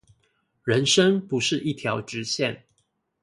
人生不是一條直線